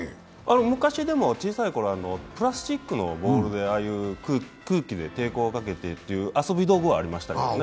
昔小さいころ、プラスチックのボールで空気で抵抗をかけてという遊び道具はありましたけどね。